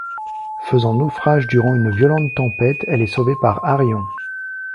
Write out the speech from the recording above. Faisant naufrage durant une violente tempête, elle est sauvée par Arion.